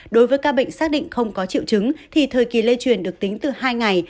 đối với ca bệnh xác định không có triệu chứng thì thời kỳ lây truyền được tính từ hai ngày